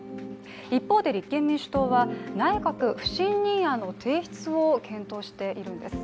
一方で、立憲民主党は内閣不信任案の提出を検討しているんです。